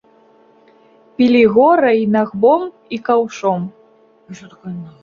Пілі гора й нагбом, і каўшом.